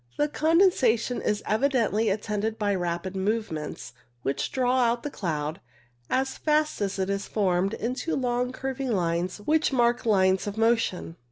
The condensation is evi dently attended by rapid movements, which draw out the cloud, as fast as it is formed, into long curving lines which mark lines of motion.